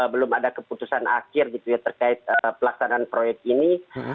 belum ada keputusan akhir gitu ya terkait pelaksanaan proyek ini